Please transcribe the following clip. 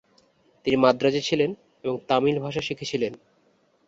তিনি মাদ্রাজে ছিলেন এবং তামিল ভাষা শিখেছিলেন।